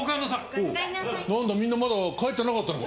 おおなんだみんなまだ帰ってなかったのか。